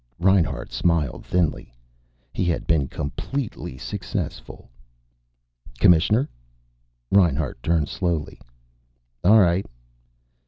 Reinhart smiled thinly. He had been completely successful. "Commissioner." Reinhart turned slowly. "All right."